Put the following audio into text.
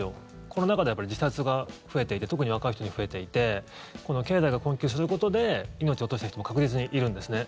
コロナ禍で自殺が増えていて特に若い人に増えていて経済が困窮することで命を落とした人も確実にいるんですね。